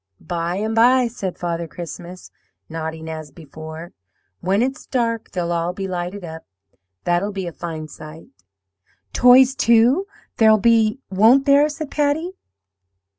"'By and by,' said Father Christmas, nodding as before. 'When it's dark they'll all be lighted up. That'll be a fine sight!' "'Toys, too, there'll be, won't there?' said Patty.